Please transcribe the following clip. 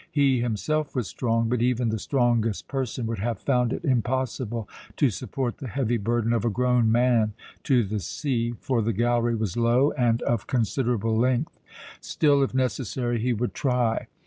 He himself was strong, but even the strongest person would have found it impossible to support the heavy burden of a grown man to the sea, for the gallery was low and of considerable length. Still, if necessary, he would try.